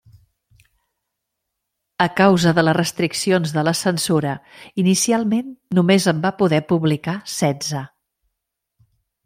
A causa de les restriccions de la censura, inicialment només en va poder publicar setze.